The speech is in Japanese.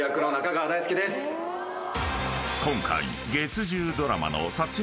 ［今回］